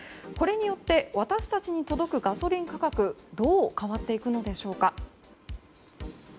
これによって私たちに届くガソリン価格どう変わっていくのでしょうか。